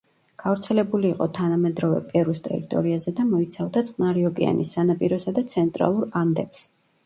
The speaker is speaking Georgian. გავრცელებული იყო თანამედროვე პერუს ტერიტორიაზე და მოიცავდა წყნარი ოკეანის სანაპიროსა და ცენტრალურ ანდებს.